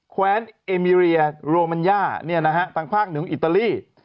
แขวนเอมิเรียโรมัญญาต่างภาคหนึ่งอิตาลี